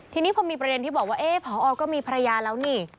ทีนี้พอมีประเด็นที่บอกว่าพอก็มีภรรยาแล้วนี่